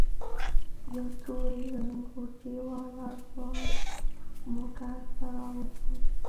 يو تورې لنگوټې والا ځوان موټر ته راوخوت.